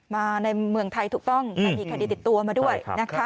มาในเมืองไทยถูกต้องแต่มีคดีติดตัวมาด้วยนะคะ